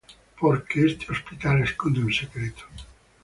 Porque este hospital esconde un secreto.